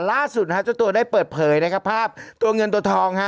ล่าสุดจะตัวได้เปิดเผยนะครับภาพตัวเงินตัวทอง